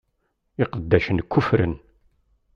Iqeddacen kuffren.